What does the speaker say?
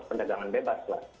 perdagangan bebas lah menurut saya